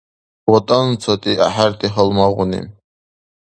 ВатӀан цати ахӀерти гьалмагъуни!